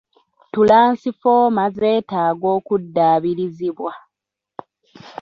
Tulansifooma zetaaga okudaabirizibwa.